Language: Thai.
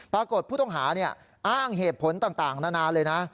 ปรากฏผู้ต้องหาอ้างเหตุผลต่างนานาเลยนะ